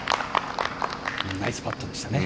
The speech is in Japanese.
ナイスパットでしたね。